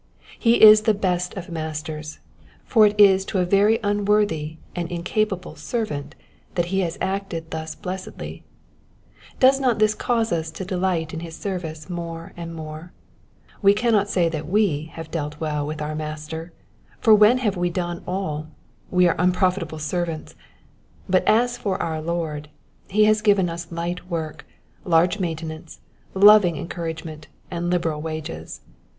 He is the best of Masters ; for it is to a very unworthy and incapable servant that he has acted thus blessedly : does not this cause us to delight in his service more and more ? We cannot say that we have dealt well with our Master ; for when we have done all, we are unprofitable servants ; but as for our Lord, he has given us light work, large maintenance, loving encouragement, and liberal wages.